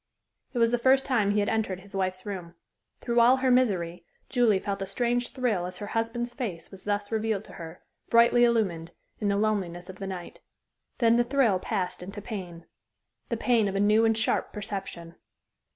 It was the first time he had entered his wife's room. Through all her misery, Julie felt a strange thrill as her husband's face was thus revealed to her, brightly illumined, in the loneliness of the night. Then the thrill passed into pain the pain of a new and sharp perception.